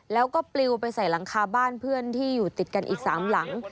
แล้วก็ปลิวไปใส่หลังคาบ้านเพื่อนที่อยู่ติดกันอีก๓หลัง